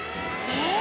えっ！